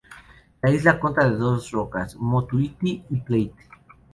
La isla consta de dos rocas: Motu Iti y Plate.